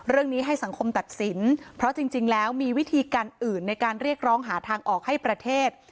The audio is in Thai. เรื่องนี้ให้สังคมตัดสินเพราะจริงแล้วมีวิธีการอื่นในการเรียกร้องหาทางออกให้ประเทศ